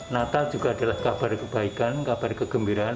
natal juga adalah kabar kebaikan kabar kegembiraan